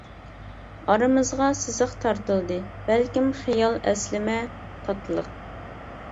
ئارىمىزغا سىزىق تارتىلدى، بەلكىم خىيال-ئەسلىمە تاتلىق.